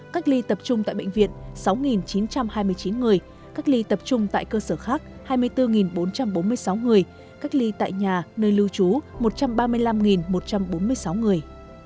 cách ly tập trung tại bệnh viện sáu chín trăm hai mươi chín người cách ly tập trung tại cơ sở khác hai mươi bốn bốn trăm bốn mươi sáu người cách ly tại nhà nơi lưu trú một trăm ba mươi năm một trăm bốn mươi sáu người